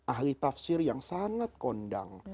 ahli tafsir yang sangat kondang